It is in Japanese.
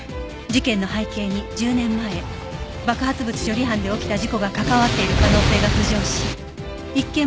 事件の背景に１０年前爆発物処理班で起きた事故が関わっている可能性が浮上し一見